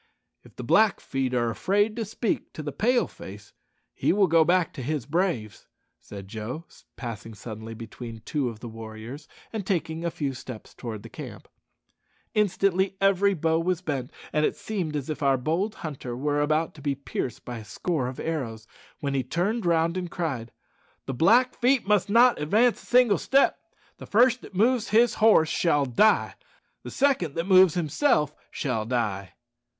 "If the Blackfeet are afraid to speak to the Pale face, he will go back to his braves," said Joe, passing suddenly between two of the warriors and taking a few steps towards the camp. Instantly every bow was bent, and it seemed as if our bold hunter were about to be pierced by a score of arrows, when he turned round and cried, "The Blackfeet must not advance a single step. The first that moves his horse shall die. The second that moves himself shall die."